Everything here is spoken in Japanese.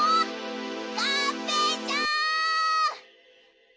がんぺーちゃん！